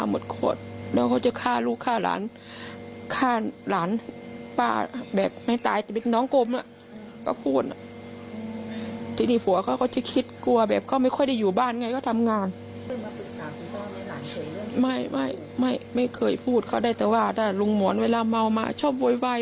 ไม่เคยพูดเขาได้แต่ว่าถ้าลุงหมอนเวลาเมามาชอบโวยวาย